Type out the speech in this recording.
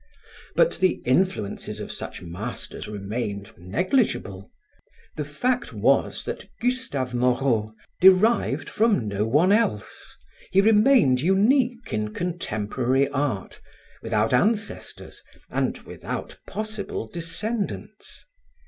But the influences of such masters remained negligible. The fact was that Gustave Moreau derived from no one else. He remained unique in contemporary art, without ancestors and without possible descendants.